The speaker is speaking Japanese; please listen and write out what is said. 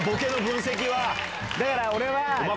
だから俺は。